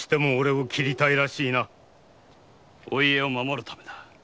お家を守るためだ。